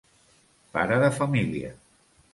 Pare de família.